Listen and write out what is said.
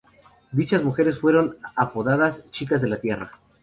Dichas mujeres fueron apodadas "chicas de la tierra".